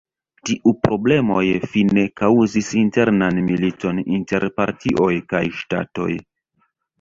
Tiu problemoj fine kaŭzis internan militon inter partioj kaj ŝtatoj.